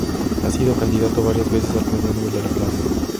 Ha sido candidato varias veces al Premio Nobel de la Paz.